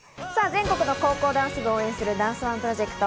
全国の高校ダンス部を応援するダンスＯＮＥプロジェクト。